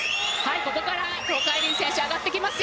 ここから東海林選手上がってきますよ。